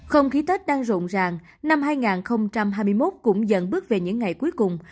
không khí tết đang rộn ràng năm hai nghìn hai mươi một cũng dần bước về những ngày cuối cùng